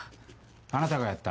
あなたがやった？